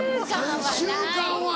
３週間は。